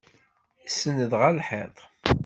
Isenned ɣer lḥiḍ.